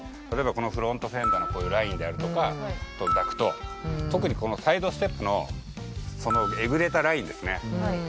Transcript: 例えばこのフロントフェンダーのこういうラインであるとかダクト特にこのサイドステップのそのえぐれたラインですね。